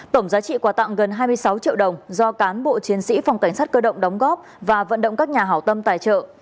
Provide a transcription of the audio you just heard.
tổng giá trị quà tặng gần hai mươi sáu triệu đồng do cán bộ chiến sĩ phòng cảnh sát cơ động đóng góp và vận động các nhà hảo tâm tài trợ